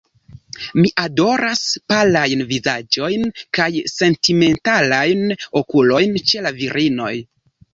Mi adoras palajn vizaĝojn kaj sentimentalajn okulojn ĉe la virinoj.